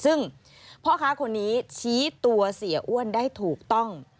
ซึ่งพ่อค้าคนนี้ชี้ตัวเสียอ้วนได้ถูกต้อง